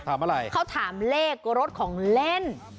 ถามอะไรเขาถามเลขรถของเล่น